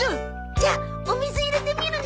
じゃあお水入れてみるね。